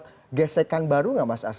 ini bisa membuat gesekan baru gak mas as